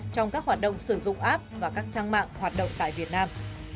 trong các hoạt động sử dụng app và các trang mạng hoạt động tại việt nam